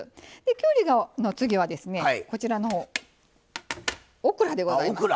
きゅうりの次はですねこちらのオクラでございます。